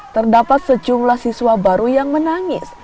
terdapat sejumlah siswa baru yang menangis